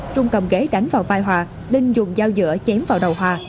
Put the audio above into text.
trung cầm ghế đánh vào vai hòa linh dùng dao dựa chém vào đầu hòa